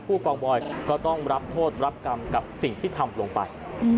กองบอยก็ต้องรับโทษรับกรรมกับสิ่งที่ทำลงไป